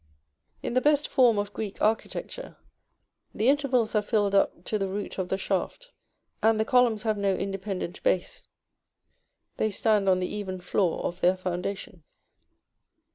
In the best form of Greek architecture, the intervals are filled up to the root of the shaft, and the columns have no independent base; they stand on the even floor of their foundation.